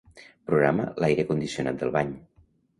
Programa l'aire condicionat del bany.